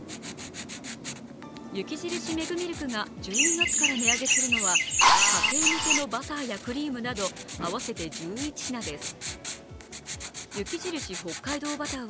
雪印メグミルクが１２月から値上げするのは家庭向けのバターやクリームなど合わせて１１品です。